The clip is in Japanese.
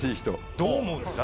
どう思うんですか？